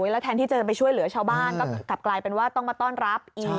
แล้วแทนที่จะไปช่วยเหลือชาวบ้านก็กลับกลายเป็นว่าต้องมาต้อนรับอีก